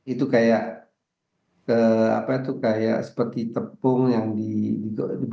itu kayak apa itu kayak seperti tepung yang di